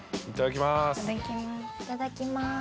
・いただきます